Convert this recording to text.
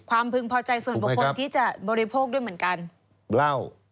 พึงพอใจส่วนบุคคลที่จะบริโภคด้วยเหมือนกันเล่า